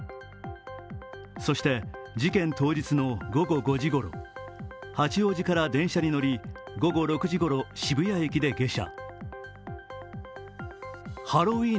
そして事件当日の午後５時ごろ、八王子から電車に乗り午後６時ごろ、渋谷駅で下車。